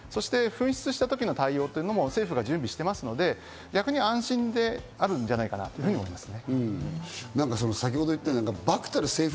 紛失した時の対応というのも政府が準備しているので、逆に心であるんじゃないかなと思います。